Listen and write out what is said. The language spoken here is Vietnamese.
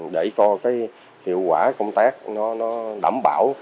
để coi cái hiệu quả công tác nó đảm bảo